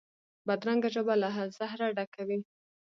بدرنګه ژبه له زهره ډکه وي